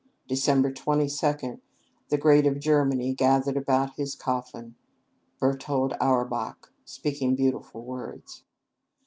Dec. 22, the great of Germany gathered about his coffin, Bertold Auerbach speaking beautiful words.